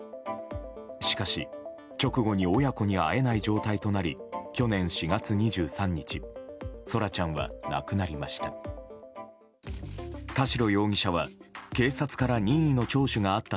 しかし、直後に親子に会えない状況となり去年４月２３日空来ちゃんは亡くなりました。